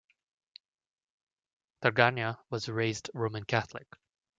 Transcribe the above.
Draganja was raised Roman Catholic.